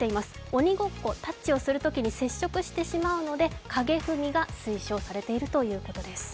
鬼ごっこ、タッチをするときに接触してしまうので、影踏みが推奨されているということです。